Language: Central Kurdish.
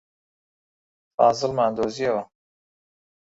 فازڵمان دۆزییەوە.